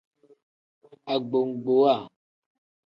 Agbogbowa.